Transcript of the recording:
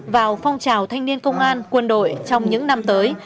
vào phong trào thanh niên công an quân đội trong những năm tới